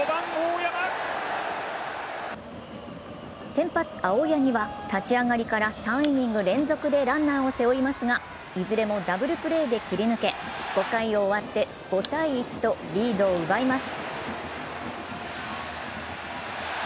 先発・青柳は立ち上がりから３イニング連続でランナーを背負いますがいずれもダブルプレーで切り抜け、５回を終わって５−１とリードを奪います。